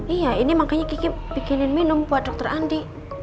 iya ini makanya kiki bikinin minum buat dokter andi